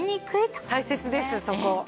大切ですそこ。